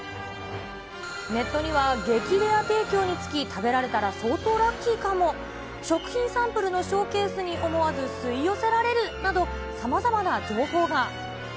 ネットには激レア提供につき、食べられたら相当ラッキーかも、食品サンプルのショーケースに思わず吸い寄せられるなど、さまざまな情報が。